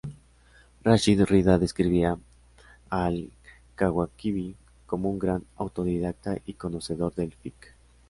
Rashid Rida describía a al-Kawakibi como un gran autodidacta y conocedor del fiqh.